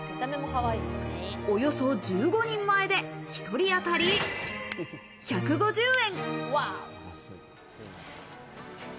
およそ１５人前で１人当たり１５０円。